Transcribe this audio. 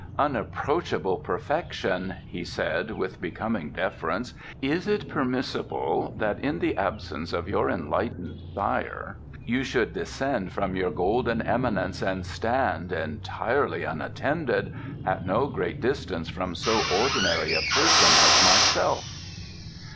"Unapproachable perfection," he said, with becoming deference, "is it permissible that in the absence of your enlightened sire you should descend from your golden eminence and stand, entirely unattended, at no great distance from so ordinary a person as myself?"